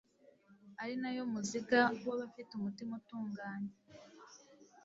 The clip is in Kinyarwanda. ari na yo mukiza w’abafite umutima utunganye